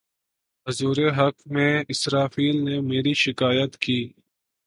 حضور حق میں اسرافیل نے میری شکایت کی